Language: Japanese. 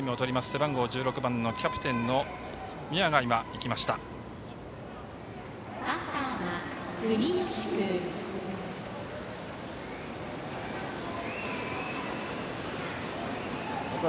背番号１６番のキャプテンの宮が行きました。